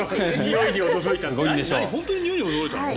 本当ににおいに驚いたの？